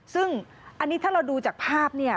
ซึ่งอันนี้ถ้าเราดูจากภาพเนี่ย